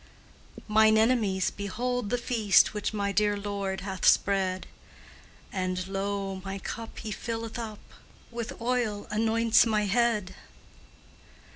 Mine enemies behold the feast Which my dear Lord hath spread; And, lo! my cup He filleth up, With oil anoints my head!